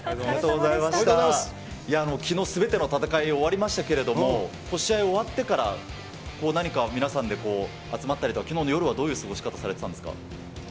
きのう、すべての戦いを終わりましたけれども、試合終わってから、何かを皆さんで集まったりとか、きのうは夜はどういう過ごし方されてたんですか。